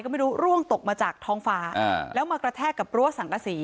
ก็ไม่รู้ร่วงตกมาจากท้องฟ้าแล้วมากระแทกกับรั้วสังกษี